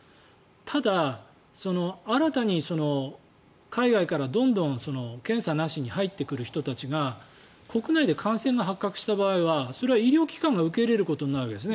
ただ、新たに海外からどんどん検査なしに入ってくる人たちが国内で感染が発覚した場合はそれは医療機関が受け入れることになるわけです。